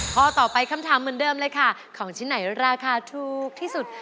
ข้อต่อไปคำถามเหมือนเดิมเลยค่ะของชิ้นไหนราคาถูกที่สุด